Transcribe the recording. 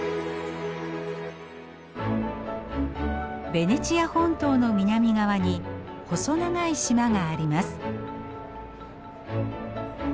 ベネチア本島の南側に細長い島があります。